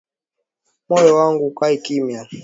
Moyo wangu ukae kimya,